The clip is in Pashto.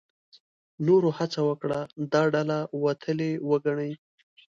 نورو هڅه وکړه دا ډله وتلې وګڼي.